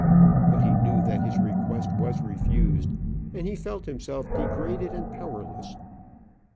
But he knew that his request was refused, and he felt himself degraded and powerless.